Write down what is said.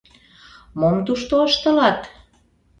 — Мом тушто ыштылат?